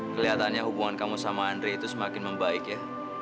kelihatannya hubungan kamu sama andre itu semakin membaik ya